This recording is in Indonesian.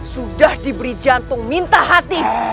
sudah diberi jantung minta hati